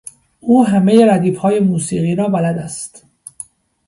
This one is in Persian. او همهٔ ردیف های موسیقی را بلد است.